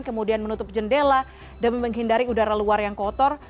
kemudian menutup jendela demi menghindari udara luar yang kotor